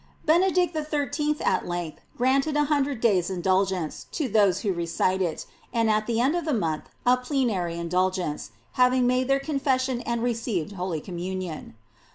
Benedict XIII. at length granted a hundred days, indulgence to those who recite it, and at the end of the month a plenary indulgence, having made their confession and received holy com munion.